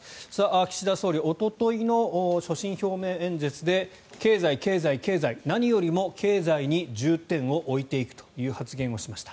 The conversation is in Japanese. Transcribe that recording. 岸田総理おとといの所信表明演説で経済、経済、経済何よりも経済に重点を置いていくという発言をしました。